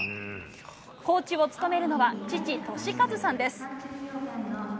コーチを務めるのは父、俊一さんです。